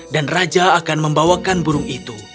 dan raja akan membawakan burung itu